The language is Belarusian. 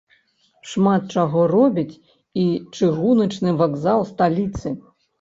Шмат чаго робіць і чыгуначны вакзал сталіцы.